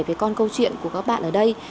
về con câu chuyện của các bạn ở đây